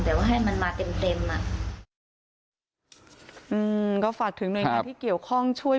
แต่ว่าให้มันมาเต็มเต็มอ่ะอืมก็ฝากถึงหน่วยงานที่เกี่ยวข้องช่วย